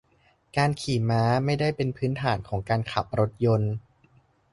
การขี่ม้าไม่ได้เป็นพื้นฐานของการขับรถยนต์